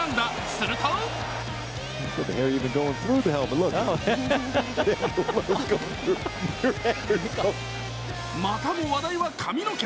するとまたも話題は髪の毛。